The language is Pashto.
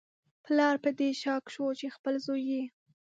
پلار په دې شاک شو چې خپل زوی یې